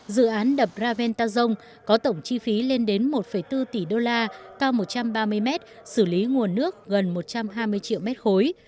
dự án đập raventang có tổng chi phí lên đến một bốn tỷ đô la cao một trăm ba mươi mét xử lý nguồn nước gần một trăm hai mươi triệu mét khối